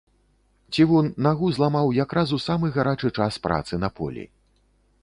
Цівун нагу зламаў якраз у самы гарачы час працы на полі.